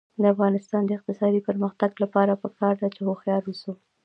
د افغانستان د اقتصادي پرمختګ لپاره پکار ده چې هوښیار اوسو.